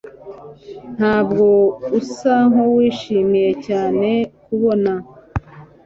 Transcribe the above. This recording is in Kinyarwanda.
Ntabwo usa nkuwishimiye cyane kumbona